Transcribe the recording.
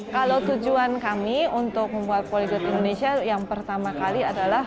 kalau tujuan kami untuk membuat poligrade indonesia yang pertama kali adalah